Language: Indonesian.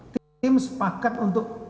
tim sepakat untuk